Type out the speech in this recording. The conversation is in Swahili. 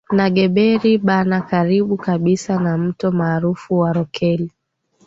na Gberi Bana karibu kabisa na mto maarufu wa Rokel